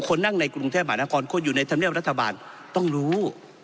คนนั่งในกรุงเทพมหานครคนอยู่ในธรรมเนียบรัฐบาลต้องรู้